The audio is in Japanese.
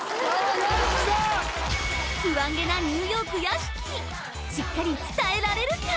不安げなニューヨーク屋敷しっかり伝えられるか？